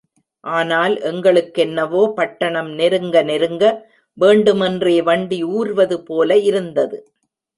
ஆனால் எங்களுக்கென்னவோ பட்டணம் நெருங்க நெருங்க, வேண்டுமேன்றே வண்டி ஊர்வது போல இருந்தது.